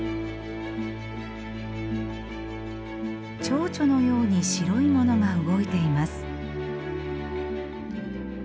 ちょうちょのように白いものが動いています。